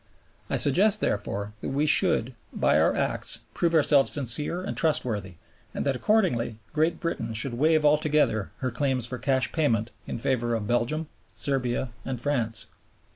I suggest, therefore, that we should by our acts prove ourselves sincere and trustworthy, and that accordingly Great Britain should waive altogether her claims for cash payment in favor of Belgium, Serbia, and France.